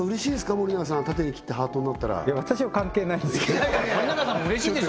森永さんは縦に切ってハートになったらいや私は関係ないんですけど森永さんも嬉しいでしょ